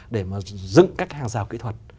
để mà dựng các hàng rào kỹ thuật